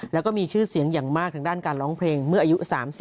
แล้วก็มีชื่อเสียงอย่างมากทางด้านการร้องเพลงเมื่ออายุ๓๐